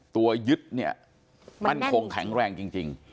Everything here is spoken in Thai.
ตัวยึดเนี่ยมั่นคงแข็งแรงจริง